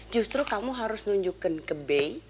justru kamu harus nunjukkan ke b